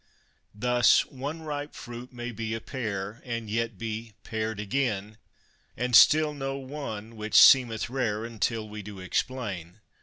Thus, one ripe fruit may be a pear, and yet be pared again, And still no one, which seemeth rare until we do explain.